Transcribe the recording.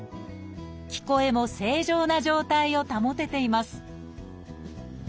聞こえも正常な状態を保てています